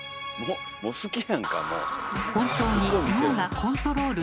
好きやんかもう。